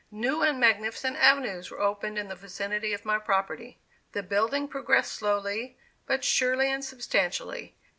New and magnificent avenues were [Illustration: IRANISTAN.] opened in the vicinity of my property. The building progressed slowly, but surely and substantially.